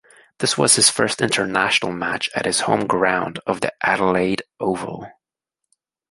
This was his first international match at his home ground of the Adelaide Oval.